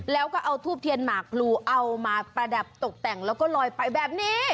แล้วก็เอาทูบเทียนหมากพลูเอามาประดับตกแต่งแล้วก็ลอยไปแบบนี้